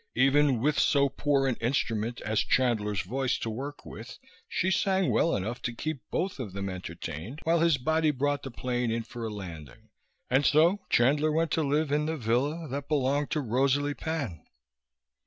Even with so poor an instrument as Chandler's voice to work with, she sang well enough to keep both of them entertained while his body brought the plane in for a landing; and so Chandler went to live in the villa that belonged to Rosalie Pan.